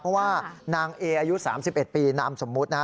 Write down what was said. เพราะว่านางเออายุ๓๑ปีนามสมมุตินะฮะ